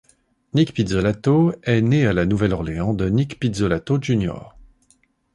Nic Pizzolatto est né à la Nouvelle-Orléans de Nick Pizzolatto Jr.